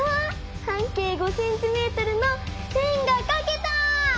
半径５ｃｍの円がかけた！